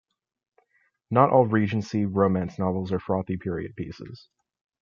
Not all Regency romance novels are frothy period pieces.